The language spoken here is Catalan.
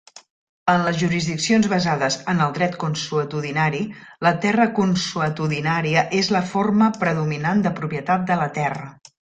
En les jurisdiccions basades en el dret consuetudinari, la terra consuetudinària és la forma predominant de propietat de la terra.